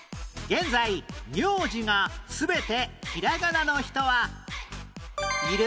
現在名字が全てひらがなの人はいる？